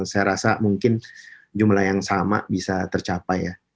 saya rasa mungkin jumlah yang sama bisa tercapai ya